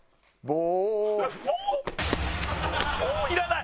「棒」いらない！